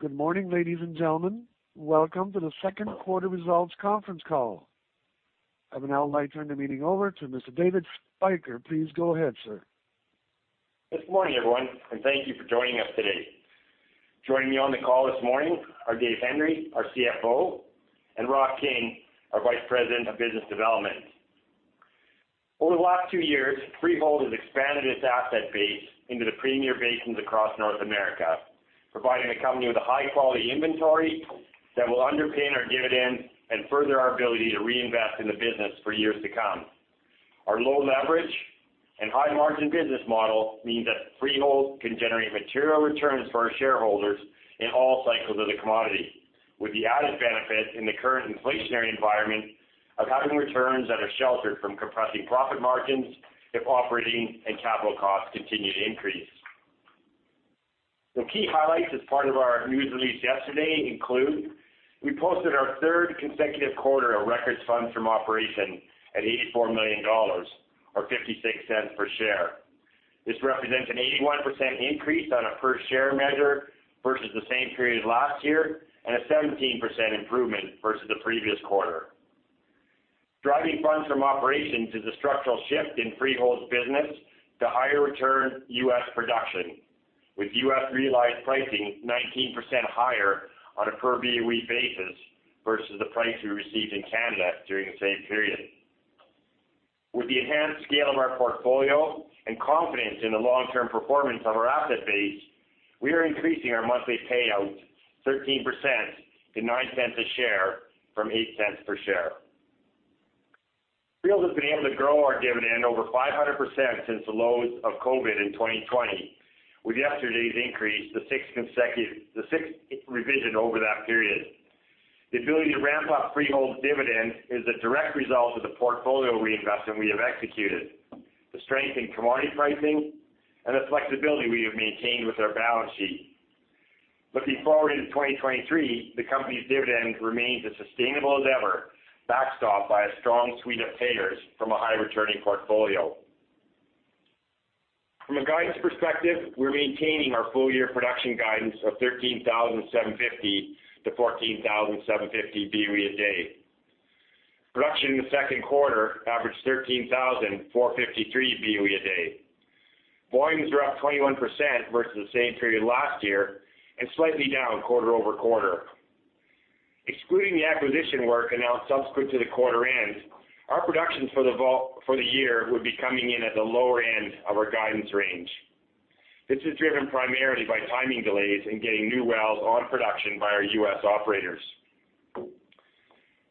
Good morning, ladies and gentlemen. Welcome to the second quarter results conference call. I would now like to turn the meeting over to Mr. David Spyker. Please go ahead, sir. Good morning, everyone, and thank you for joining us today. Joining me on the call this morning are Dave Hendry, our CFO, and Rob King, our Vice President of Business Development. Over the last two years, Freehold has expanded its asset base into the premier basins across North America, providing the company with a high-quality inventory that will underpin our dividend and further our ability to reinvest in the business for years to come. Our low leverage and high-margin business model means that Freehold can generate material returns for our shareholders in all cycles of the commodity, with the added benefit in the current inflationary environment of having returns that are sheltered from compressing profit margins if operating and capital costs continue to increase. The key highlights as part of our news release yesterday include we posted our third consecutive quarter of record funds from operations at 84 million dollars or 0.56 per share. This represents an 81% increase on a per-share measure versus the same period last year and a 17% improvement versus the previous quarter. Driving funds from operations is the structural shift in Freehold's business to higher return U.S. production, with U.S. realized pricing 19% higher on a per BOE basis versus the price we received in Canada during the same period. With the enhanced scale of our portfolio and confidence in the long-term performance of our asset base, we are increasing our monthly payout 13% to 0.09 a share from 0.08 per share. Freehold has been able to grow our dividend over 500% since the lows of COVID in 2020, with yesterday's increase the sixth revision over that period. The ability to ramp up Freehold's dividend is a direct result of the portfolio reinvestment we have executed, the strength in commodity pricing, and the flexibility we have maintained with our balance sheet. Looking forward into 2023, the company's dividend remains as sustainable as ever, backstopped by a strong suite of payers from a high-returning portfolio. From a guidance perspective, we're maintaining our full-year production guidance of 13,750-14,750 BOE a day. Production in the second quarter averaged 13,453 BOE a day. Volumes are up 21% versus the same period last year and slightly down quarter-over-quarter. Excluding the acquisition work announced subsequent to the quarter end, our production for the year would be coming in at the lower end of our guidance range. This is driven primarily by timing delays in getting new wells on production by our U.S. operators.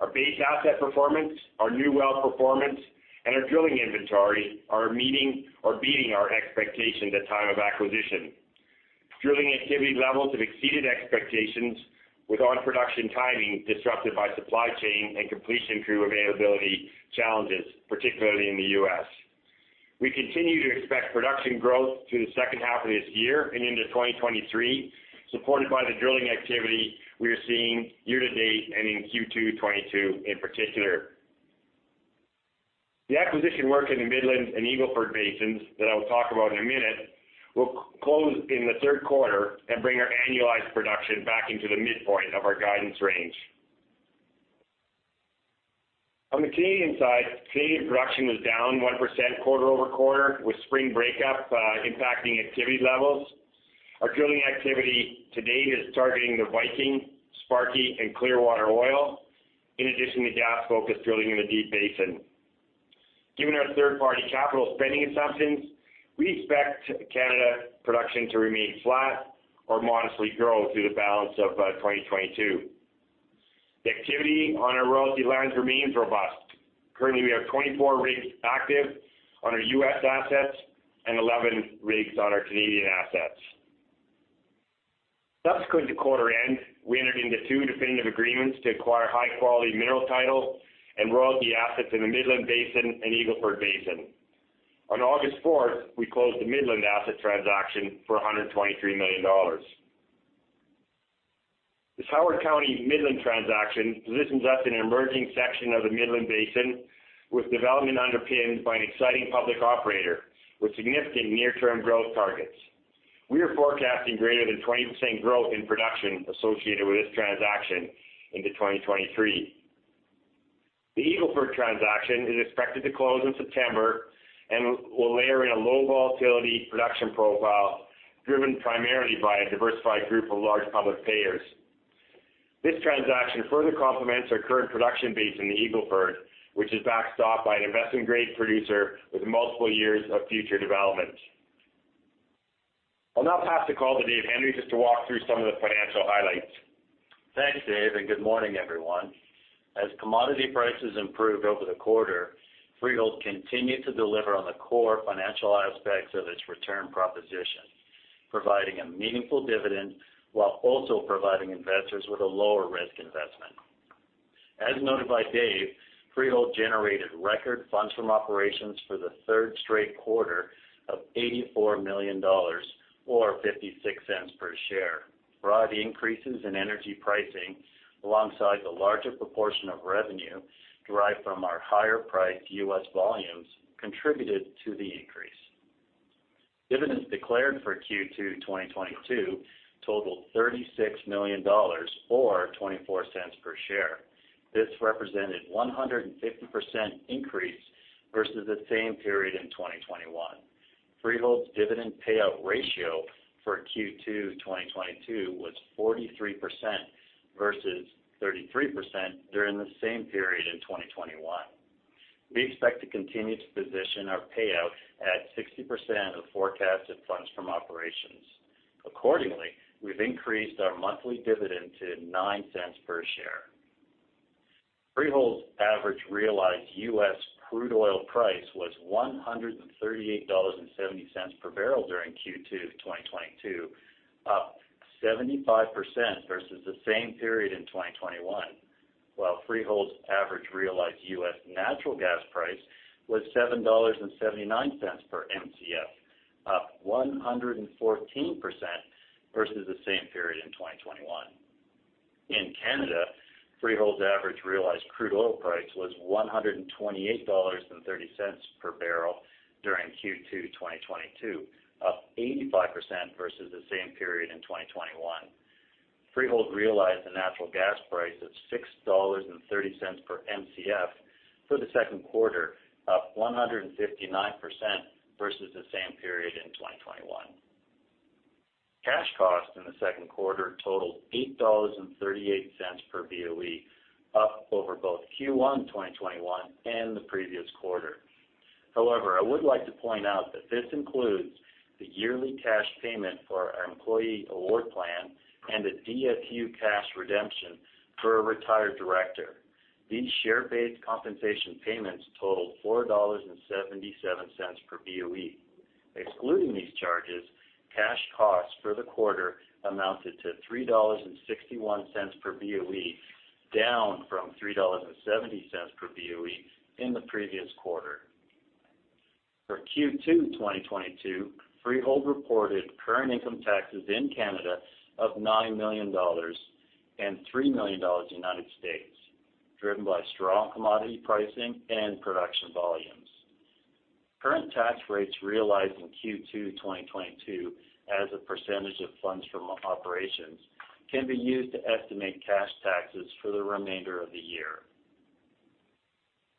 Our base asset performance, our new well performance, and our drilling inventory are meeting or beating our expectations at time of acquisition. Drilling activity levels have exceeded expectations with on-production timing disrupted by supply chain and completion crew availability challenges, particularly in the U.S. We continue to expect production growth through the second half of this year and into 2023, supported by the drilling activity we are seeing year to date and in Q2 2022 in particular. The acquisition work in the Midland and Eagle Ford basins that I will talk about in a minute will close in the third quarter and bring our annualized production back into the midpoint of our guidance range. On the Canadian side, Canadian production was down 1% quarter-over-quarter, with spring breakup impacting activity levels. Our drilling activity to date is targeting the Viking, Sparky, and Clearwater Oil, in addition to gas-focused drilling in the Deep Basin. Given our third-party capital spending assumptions, we expect Canada production to remain flat or modestly grow through the balance of 2022. The activity on our royalty lands remains robust. Currently, we have 24 rigs active on our U.S. assets and 11 rigs on our Canadian assets. Subsequent to quarter end, we entered into two definitive agreements to acquire high-quality mineral title and royalty assets in the Midland Basin and Eagle Ford Basin. On August fourth, we closed the Midland asset transaction for $123 million. The Howard County Midland transaction positions us in an emerging section of the Midland Basin with development underpinned by an exciting public operator with significant near-term growth targets. We are forecasting greater than 20% growth in production associated with this transaction into 2023. The Eagle Ford transaction is expected to close in September and will layer in a low volatility production profile driven primarily by a diversified group of large public players. This transaction further complements our current production base in the Eagle Ford, which is backstopped by an investment-grade producer with multiple years of future development. I'll now pass the call to David Hendry just to walk through some of the financial highlights. Thanks, Dave, and good morning, everyone. As commodity prices improved over the quarter, Freehold continued to deliver on the core financial aspects of its return proposition, providing a meaningful dividend while also providing investors with a lower-risk investment. As noted by Dave, Freehold generated record funds from operations for the third straight quarter of 84 million dollars or 0.56 per share. Broad increases in energy pricing, alongside the larger proportion of revenue derived from our higher-priced U.S. volumes, contributed to the increase. Dividends declared for Q2 2022 totaled 36 million dollars or 0.24 per share. This represented 150% increase versus the same period in 2021. Freehold's dividend payout ratio for Q2 2022 was 43% versus 33% during the same period in 2021. We expect to continue to position our payout at 60% of forecasted funds from operations. Accordingly, we've increased our monthly dividend to 0.09 per share. Freehold's average realized US crude oil price was $138.70 per barrel during Q2 2022, up 75% versus the same period in 2021. While Freehold's average realized US natural gas price was $7.79 per Mcf, up 114% versus the same period in 2021. In Canada, Freehold's average realized crude oil price was 128.30 dollars per barrel during Q2 2022, up 85% versus the same period in 2021. Freehold realized a natural gas price of 6.30 per Mcf for the second quarter, up 159% versus the same period in 2021. Cash cost in the second quarter totaled 8.38 dollars per BOE, up over both Q1 2021 and the previous quarter. However, I would like to point out that this includes the yearly cash payment for our employee award plan and a DSU cash redemption for a retired director. These share-based compensation payments totaled 4.77 dollars per BOE. Excluding these charges, cash costs for the quarter amounted to 3.61 dollars per BOE, down from 3.70 dollars per BOE in the previous quarter. For Q2 2022, Freehold reported current income taxes in Canada of 9 million dollars and $3 million United States, driven by strong commodity pricing and production volumes. Current tax rates realized in Q2 2022 as a percentage of funds from operations can be used to estimate cash taxes for the remainder of the year.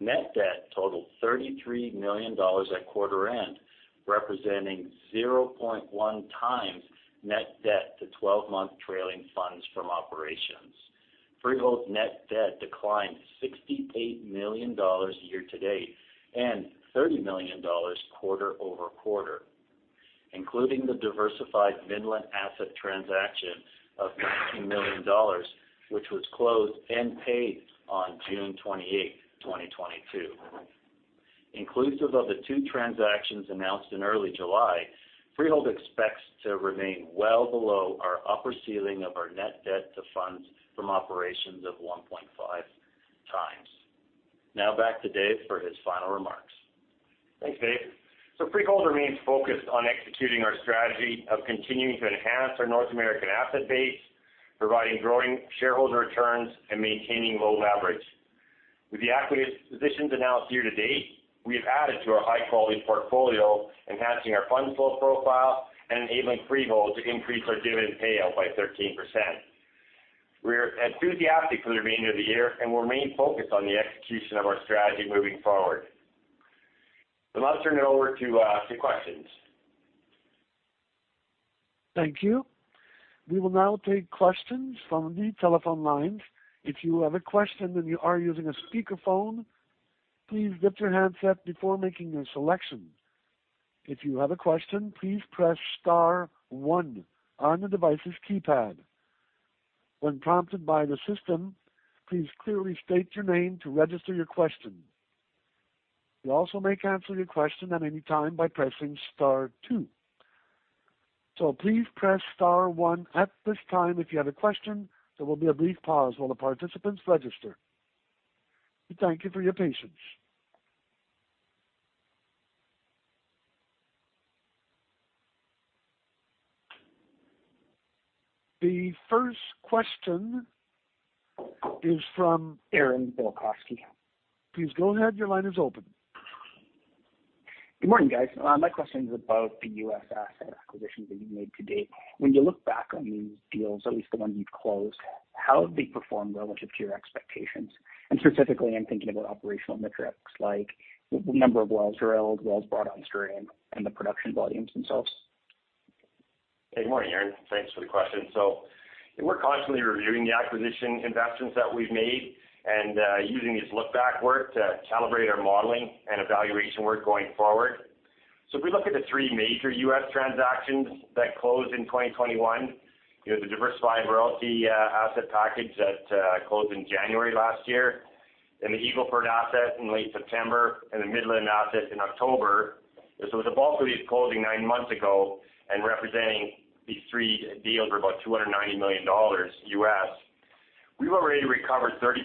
Net debt totaled 33 million dollars at quarter end, representing 0.1x net debt to twelve-month trailing funds from operations. Freehold's net debt declined 68 million dollars year-to-date and 30 million dollars quarter-over-quarter, including the diversified Midland asset transaction of 19 million dollars, which was closed and paid on June 28th, 2022. Inclusive of the two transactions announced in early July, Freehold expects to remain well below our upper ceiling of our net debt to funds from operations of 1.5x. Now back to Dave for his final remarks. Thanks, Dave. Freehold remains focused on executing our strategy of continuing to enhance our North American asset base, providing growing shareholder returns and maintaining low leverage. With the acquisitions announced year to date, we have added to our high-quality portfolio, enhancing our fund flow profile and enabling Freehold to increase our dividend payout by 13%. We're enthusiastic for the remainder of the year and remain focused on the execution of our strategy moving forward. Let's turn it over to questions. Thank you. We will now take questions from the telephone lines. If you have a question and you are using a speakerphone, please mute your handset before making your selection. If you have a question, please press star one on the device's keypad. When prompted by the system, please clearly state your name to register your question. You also may cancel your question at any time by pressing star two. Please press star one at this time if you have a question. There will be a brief pause while the participants register. We thank you for your patience. The first question is from Aaron Bukowski. Please go ahead. Your line is open. Good morning, guys. My question is about the U.S. asset acquisitions that you made to date. When you look back on these deals, at least the one you've closed, how have they performed relative to your expectations? Specifically, I'm thinking about operational metrics like the number of wells drilled, wells brought on stream, and the production volumes themselves. Good morning, Aaron. Thanks for the question. We're constantly reviewing the acquisition investments that we've made and using this look back work to calibrate our modeling and evaluation work going forward. If we look at the three major U.S. transactions that closed in 2021, you know, the diversified royalty asset package that closed in January last year, and the Eagle Ford asset in late September and the Midland asset in October. With the bulk of these closing nine months ago and representing these three deals were about $290 million, we've already recovered 30%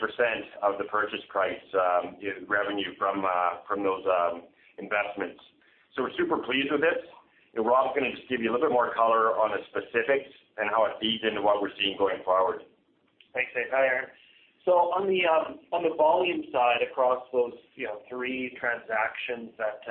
of the purchase price in revenue from those investments. We're super pleased with this, and Rob's gonna just give you a little bit more color on the specifics and how it feeds into what we're seeing going forward. Thanks. Hi, Aaron. On the volume side across those three transactions that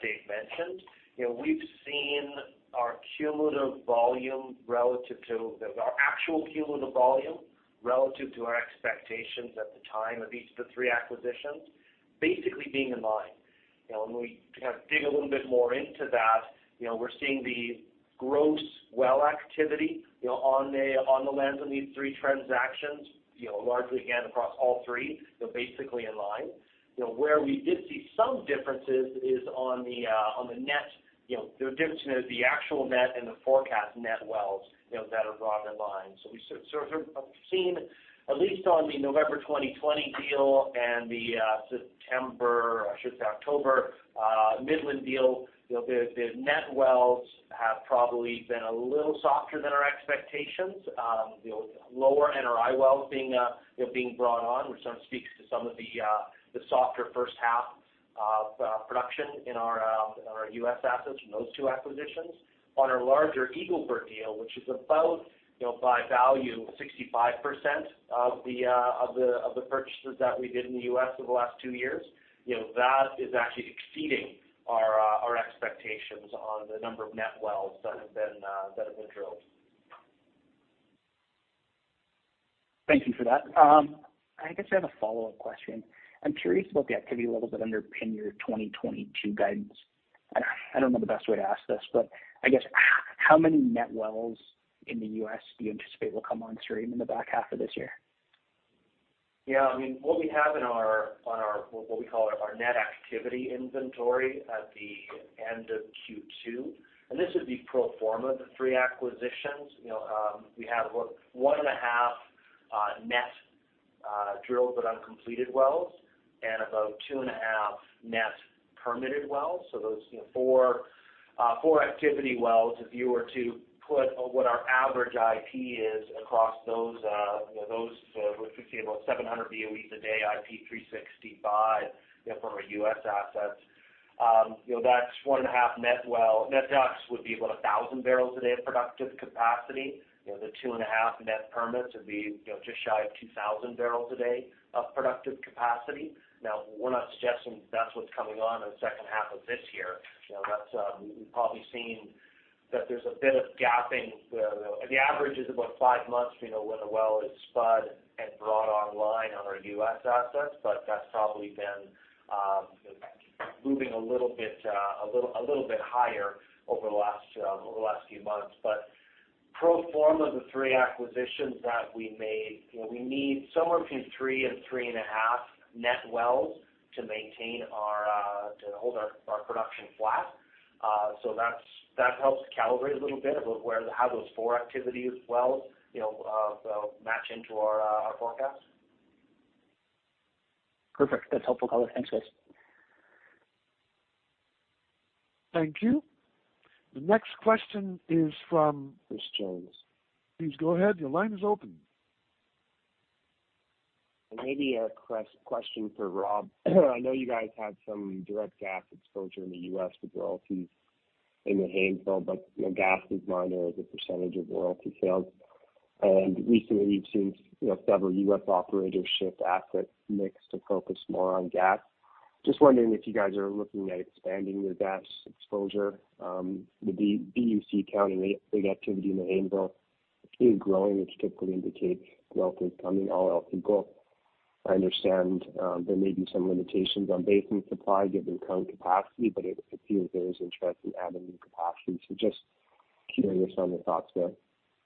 Dave mentioned, you know, we've seen our cumulative volume relative to our actual cumulative volume relative to our expectations at the time of each of the three acquisitions, basically being in line. You know, when we kind of dig a little bit more into that, you know, we're seeing the gross well activity, you know, on the lands of these three transactions, you know, largely again across all three, they're basically in line. You know, where we did see some differences is on the net, you know, the difference in the actual net and the forecast net wells, you know, that are brought online. We sort of have seen, at least on the November 2020 deal and the September, or I should say October, Midland deal, you know, the net wells have probably been a little softer than our expectations. You know, lower NRI wells being brought on, which sort of speaks to some of the softer first half of production in our U.S. assets from those two acquisitions. On our larger Eagle Ford deal, which is about, you know, by value, 65% of the purchases that we did in the U.S. over the last two years, you know, that is actually exceeding our expectations on the number of net wells that have been drilled. Thank you for that. I guess I have a follow-up question. I'm curious about the activity levels that underpin your 2022 guidance. I don't know the best way to ask this, but I guess how many net wells in the U.S. do you anticipate will come on stream in the back half of this year? Yeah, I mean, what we have on our what we call our net activity inventory at the end of Q2, and this would be pro forma the 3 acquisitions, you know, we have 1.5 net drilled but uncompleted wells and about 2.5 net permitted wells. So those, you know, four activity wells, if you were to put what our average IP is across those, you know, those, which we see about 700 BOE a day, IP 365, you know, from our U.S. assets, you know, that's 1.5 net well. Net DUCs would be about 1,000 barrels a day of productive capacity. You know, the 2.5 net permits would be, you know, just shy of 2,000 barrels a day of productive capacity. Now, we're not suggesting that's what's going on in the second half of this year. You know, that's we've probably seen that there's a bit of gapping. The average is about five months, you know, when a well is spud and brought online on our U.S. assets, but that's probably been moving a little bit higher over the last few months. Pro forma, the three acquisitions that we made, you know, we need somewhere between three and three and a half net wells to hold our production flat. That helps calibrate a little bit about where, how those four activity wells, you know, match into our forecast. Perfect. That's helpful color. Thanks, guys. Thank you. The next question is from Chris Jones. Please go ahead. Your line is open. Maybe a question for Rob. I know you guys have some direct gas exposure in the U.S. with royalties in the Haynesville, but, you know, gas is minor as a percentage of royalty sales. Recently, we've seen, you know, several U.S. operators shift asset mix to focus more on gas. Just wondering if you guys are looking at expanding your gas exposure in Bossier County. Big activity in the Haynesville is growing, which typically indicates wells are coming or else it goes. I understand there may be some limitations on basin supply given current capacity, but it seems there is interest in adding new capacity. Just curious on your thoughts there.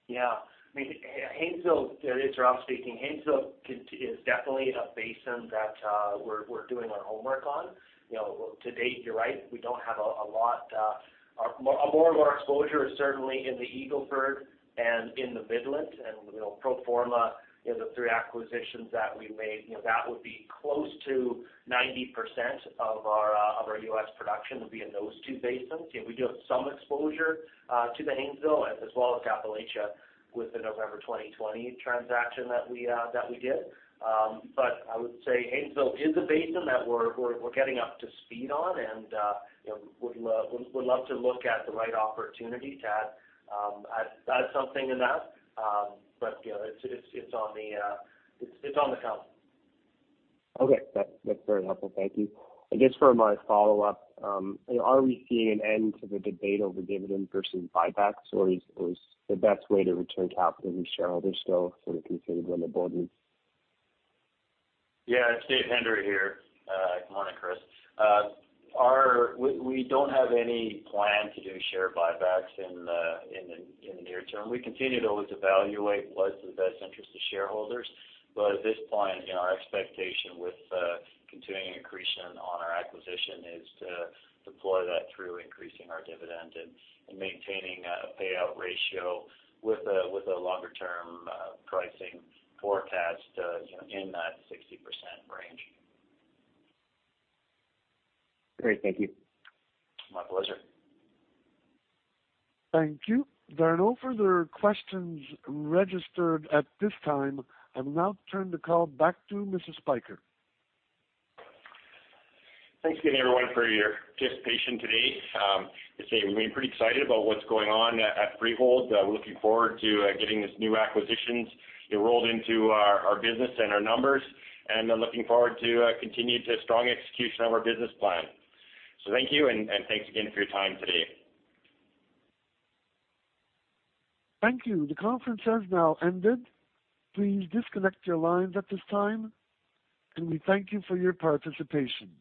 Yeah. I mean, Haynesville. It's Rob speaking. Haynesville is definitely a basin that we're doing our homework on. You know, to date, you're right, we don't have a lot. More and more exposure is certainly in the Eagle Ford and in the Midland. You know, pro forma, you know, the three acquisitions that we made, you know, that would be close to 90% of our U.S. production would be in those two basins. We do have some exposure to the Haynesville as well as Appalachia with the November 2020 transaction that we did. But I would say Haynesville is a basin that we're getting up to speed on and, you know, would love to look at the right opportunity to add something in that. You know, it's on the calendar. Okay. That's very helpful. Thank you. I guess for my follow-up, are we seeing an end to the debate over dividend versus buybacks, or is the best way to return capital to shareholders still sort of considered on the board? Yeah. It's David Hendry here. Good morning, Chris. We don't have any plan to do share buybacks in the near term. We continue to always evaluate what's in the best interest of shareholders. But at this point, you know, our expectation with continuing accretion on our acquisition is to deploy that through increasing our dividend and maintaining a payout ratio with a longer-term pricing forecast, you know, in that 60% range. Great. Thank you. My pleasure. Thank you. There are no further questions registered at this time. I will now turn the call back to Mr. Spyker. Thanks again, everyone, for your participation today. As I say, we're pretty excited about what's going on at Freehold. We're looking forward to getting these new acquisitions enrolled into our business and our numbers, and then looking forward to continued strong execution of our business plan. Thank you, and thanks again for your time today. Thank you. The conference has now ended. Please disconnect your lines at this time, and we thank you for your participation.